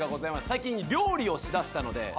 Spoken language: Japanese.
最近料理をしだしたので。